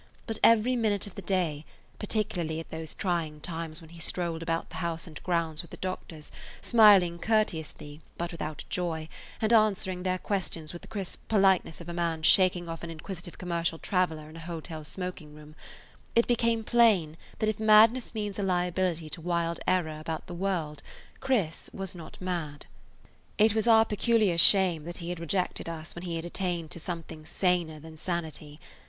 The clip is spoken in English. But every minute of the day, particularly at those trying times when he strolled about the house and grounds with the doctors, smiling courteously, but without joy, and answering their questions with the crisp politeness of a man shaking off an inquisitive commercial traveler in a hotel smoking room, it became plain that if madness means a liability to wild error about the world Chris was not mad. It was our peculiar shame that he had rejected us when he had attained to something saner than sanity.